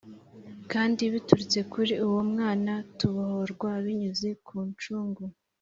kandi biturutse kuri uwo Mwana, tubohorwa binyuze ku ncungu